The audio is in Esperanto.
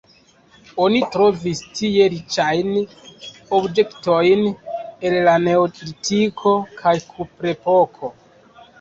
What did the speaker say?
Oni trovis tie riĉajn objektojn el la neolitiko kaj kuprepoko.